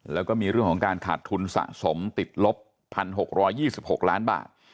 แล้วก็มีเรื่องของการขาดทุนสะสมติดลบ๑๖๒๖ล้านบาท